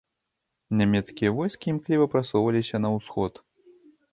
Нямецкія войскі імкліва прасоўваліся на ўсход.